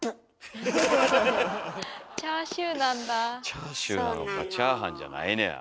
チャーシューなのかチャーハンじゃないねや。